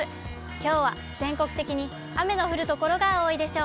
きょうは全国的に雨の降る所が多いでしょう。